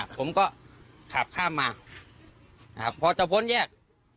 ผมก็ขับข้ามมาพอเจาะพ้นแยก